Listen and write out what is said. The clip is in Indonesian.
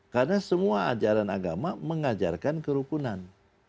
karena semua ajaran agama mengajarkan kerukunan